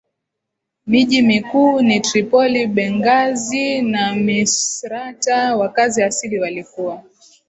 Miji mikuu ni Tripoli Benghazi na Misratah Wakazi asili walikuwa